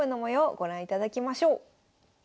ご覧いただきましょう。